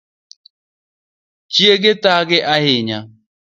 Chiege thage ahinya